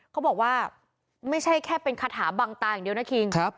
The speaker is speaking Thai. เขาบอกว่าไม่ใช่แค่เป็นคาถาบังตาอย่างเดียวนะคิง